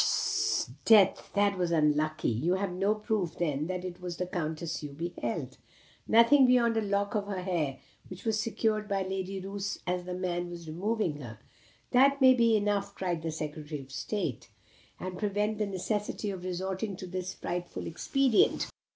"'Sdeath! that was unlucky. You have no proof then that it was the Countess you beheld?" "Nothing beyond a lock of her hair, which was secured by Lady Roos as the man was removing her." "That may be enough," cried the Secretary of State; "and prevent the necessity of resorting to this frightful expedient.